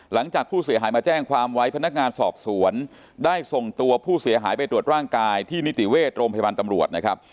หลังจากผู้เสียหายมาแจ้งความไว้พนักงานสอบสวนได้ส่งตัวผู้เสียหายไปตรวจร่างกายที่นิติเวชโรงพยาบาลตำรวจนะครับ